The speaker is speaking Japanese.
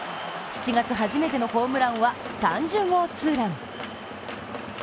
７月初めてのホームランは３０号ツーラン。